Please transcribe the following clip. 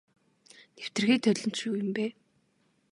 Нэвтэрхий толь нь ч юу юм бэ.